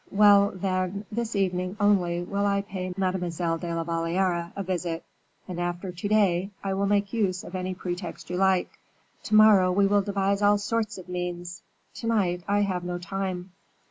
Well, then, this evening only will I pay Mademoiselle de la Valliere a visit, and after to day I will make use of any pretext you like. To morrow we will devise all sorts of means; to night I have no time."